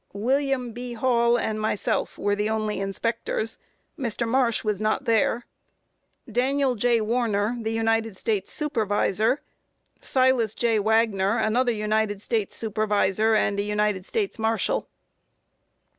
A. William B. Hall and myself were the only inspectors; Mr. Marsh was not there; Daniel J. Warner, the United States Supervisor, Silas J. Wagner, another United States Supervisor, and a United States Marshal.